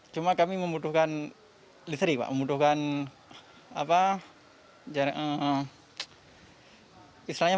cuma kami membutuhkan listrik pak